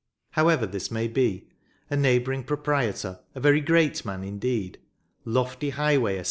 However this may be, a neighbouring pro prietor — a very great man indeed — Lofty Highway, Esq.